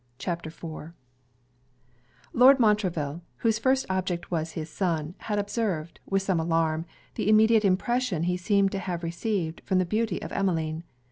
CHAPTER IV Lord Montreville, whose first object was his son, had observed, with some alarm, the immediate impression he seemed to have received from the beauty of Emmeline.